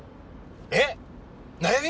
えっ悩み！？